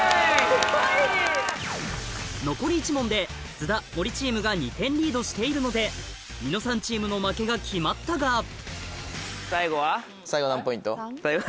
すごい！残り１問で菅田・森チームが２点リードしているのでニノさんチームの負けが決まったが最後？